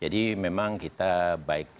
tapi ini memang cukup sikit rumit